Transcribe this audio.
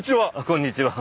こんにちは。